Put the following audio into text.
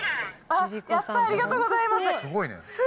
ありがとうございます！